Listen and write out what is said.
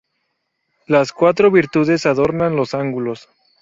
Las cuatro virtudes adornan los ángulos.